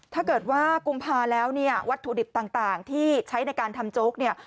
ถ้าเกิดว่ากุมภาแล้วเนี่ยวัตถุดิบต่างที่ใช้ในการทำโจ๊กเนี่ย